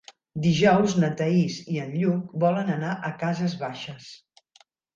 Dijous na Thaís i en Lluc volen anar a Cases Baixes.